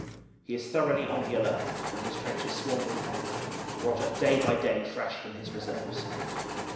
He is thoroughly on the alert and his trenches swarm with men, brought up day by day fresh from his reserves.